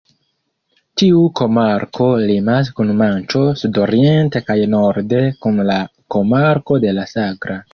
Tiu komarko limas kun Manĉo sudoriente kaj norde kun la komarko de la Sagra.